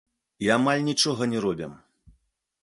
І амаль нічога не робім.